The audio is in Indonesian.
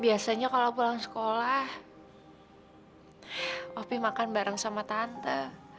biasanya kalau pulang sekolah opi makan bareng sama tante